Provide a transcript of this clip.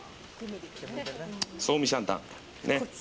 ソウミシャンタン。